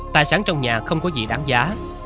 tài sản trong nhà không có gì đáng giá